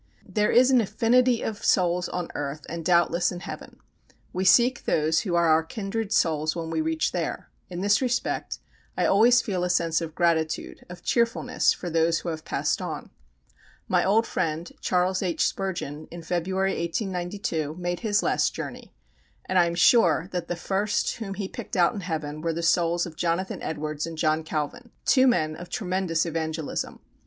There is an affinity of souls on earth and doubtless in heaven. We seek those who are our kindred souls when we reach there. In this respect I always feel a sense of gratitude, of cheerfulness for those who have passed on. My old friend, Charles H. Spurgeon, in February, 1892, made his last journey; and I am sure that the first whom he picked out in heaven were the souls of Jonathan Edwards and John Calvin two men of tremendous evangelism.